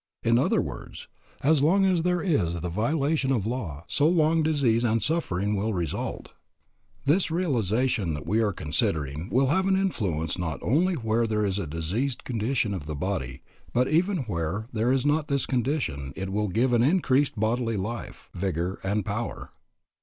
In other words, as long as there is the violation of law, so long disease and suffering will result. This realization that we are considering will have an influence not only where there is a diseased condition of the body, but even where there is not this condition it will give an increased bodily life, vigor, and power.